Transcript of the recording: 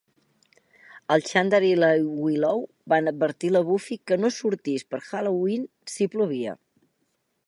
El Xander i la Willow van advertir la Buffy que no sortís per Halloween si plovia.